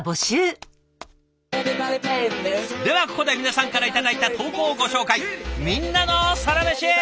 ではここで皆さんから頂いた投稿をご紹介。